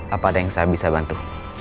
apa ada yang saya bisa bantu